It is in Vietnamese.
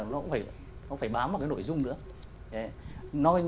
nó cũng phải bám vào cái nội dung nữa